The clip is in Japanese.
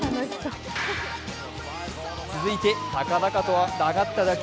続いて、高々と上がった打球。